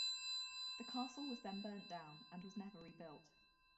The castle was then burnt down and was never rebuilt.